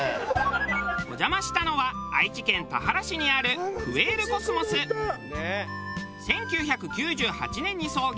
お邪魔したのは愛知県田原市にある１９９８年に創業。